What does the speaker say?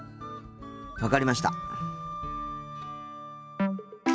分かりました。